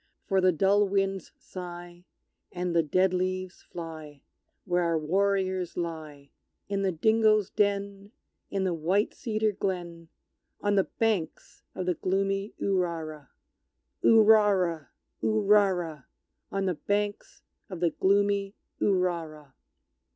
For the dull winds sigh, And the dead leaves fly, Where our warriors lie, In the dingoes' den in the white cedar glen On the banks of the gloomy Urara! Urara! Urara! On the banks of the gloomy Urara!